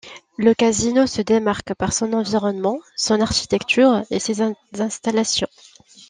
Le Casino se démarque par son environnement, son architecture et ses installations.